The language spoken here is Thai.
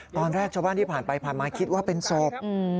ตอนแรกชาวบ้านที่ผ่านไปผ่านมาคิดว่าเป็นศพ